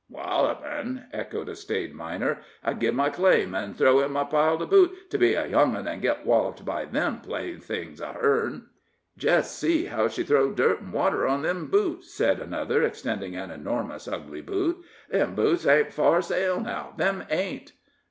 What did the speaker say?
"Wallopin'!" echoed a staid miner. "I'd gie my claim, an' throw in my pile to boot, to be a young 'un an' git walloped by them playthings of han's." "Jest see how she throwed dirt an' water on them boots," said another, extending an enormous ugly boot. "Them boots ain't fur sale now them ain't."